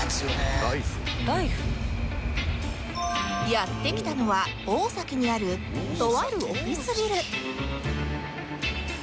やって来たのは大崎にあるとあるオフィスビル